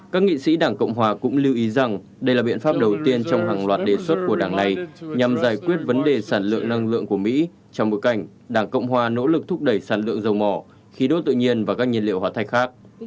các nghị sĩ đảng cộng hòa cũng lưu ý rằng đây là biện pháp đầu tiên trong hàng loạt đề xuất của đảng này nhằm giải quyết vấn đề sản lượng năng lượng của mỹ trong bối cảnh đảng cộng hòa nỗ lực thúc đẩy sản lượng dầu mỏ khí đốt tự nhiên và các nhiên liệu hóa thạch khác